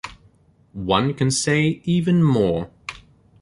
One can say even more.